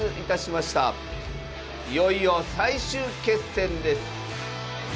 いよいよ最終決戦です。